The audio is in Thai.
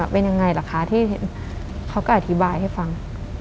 เป็นยังไงล่ะคะที่เขาก็อธิบายให้ฟัง